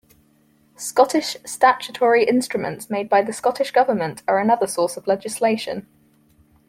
Scottish Statutory Instruments made by the Scottish Government are another source of legislation.